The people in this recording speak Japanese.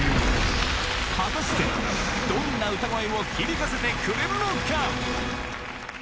果たしてどんな歌声を響かせてくれるのか？